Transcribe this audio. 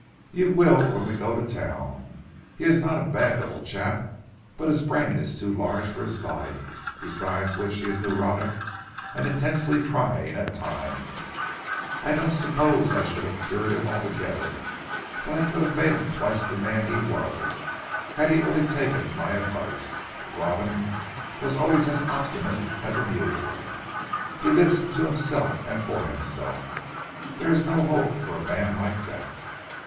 "You will when we go to town. He is not a bad little chap but his brain is too large for his body, Besides which he is neurotic, and intensely trying at times. I don't suppose I should have cured him altogether, but I could have made him twice the man he was, had he only taken my advice. But Robin was always as obstinate as a mule. He lives into himself and for himself. There is no hope for a man like that."